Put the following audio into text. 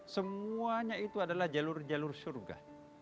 semuanya itu adalah jalur jalur surga